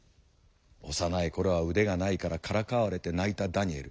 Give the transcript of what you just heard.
幼い頃は腕がないからからかわれて泣いたダニエル。